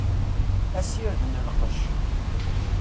Asired n lqec.